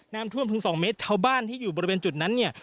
น้ำท่วมถึงสองเมตรชาวบ้านที่อยู่บริเวณจุดนั้นเนี่ย